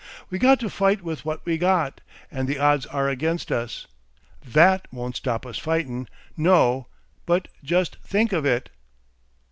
We got to fight with what we got and the odds are against us. THAT won't stop us fightin'. No! but just think of it!"